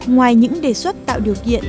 ngoài những đề xuất tạo điều kiện